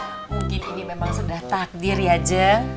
mungkin ini memang sudah takdir ya je